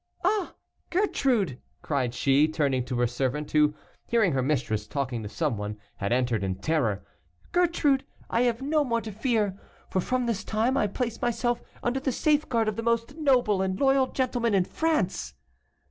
"Ah! Gertrude!" cried she, turning to her servant, who, hearing her mistress talking to some one, had entered in terror, "Gertrude, I have no more to fear, for from this time I place myself under the safeguard of the most noble and loyal gentleman in France."